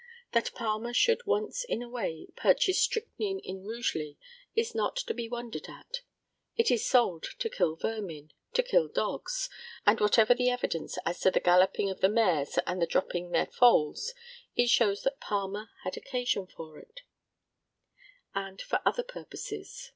That Palmer should once in a way purchase strychnine in Rugeley is not to be wondered at. It is sold to kill vermin, to kill dogs. And whatever the evidence as to the galloping of the mares and their dropping their foals, it shows that Palmer had occasion for it, and for other purposes.